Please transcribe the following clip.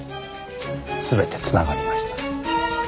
全て繋がりました。